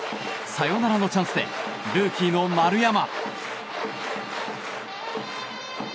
サヨナラのチャンスでルーキーの丸山。